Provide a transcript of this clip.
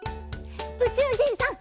うちゅうじんさん！